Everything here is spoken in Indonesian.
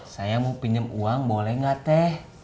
saya mau pinjem uang boleh gak teh